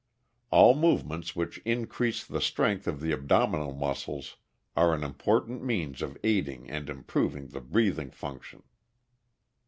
All movements which increase the strength of the abdominal muscles are an important means of aiding and improving the breathing function."